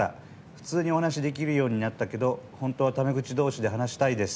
普通にお話できるようになったけど本当はタメ口同士で話したいです。